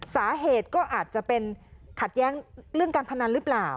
สาเหตุก็อาจจะเป็นขัดแย้งเรื่องการพนันหรือเปล่า